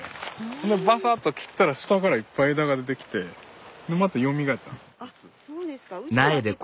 バサッと切ったら下からいっぱい枝が出てきてまたよみがえったんです。